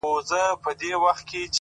عادتونه د انسان راتلونکی لیکي.!